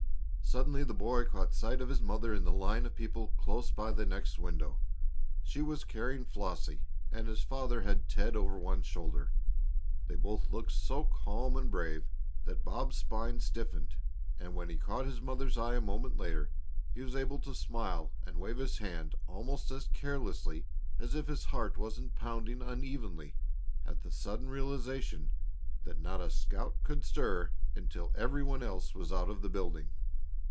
Suddenly the boy caught sight of his mother in the line of people close by the next window. She was carrying Flossie, and his father had Ted over one shoulder. They both looked so calm and brave that Bob's spine stiffened, and when he caught his mother's eye a moment later he was able to smile and wave his hand almost as carelessly as if his heart wasn't pounding unevenly at the sudden realization that not a scout could stir until every one else was out of the building.